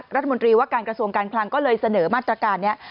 รัฐมนตรีว่าการกระทรวงการคลังก็เลยเสนอมาตรการนี้